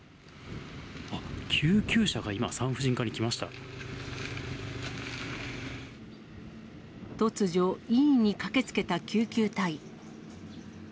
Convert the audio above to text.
救急車が今、産婦人科に来ま突如、医院に駆けつけた救急隊。